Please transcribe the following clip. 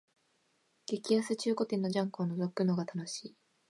激安中古店のジャンクをのぞくのが楽しい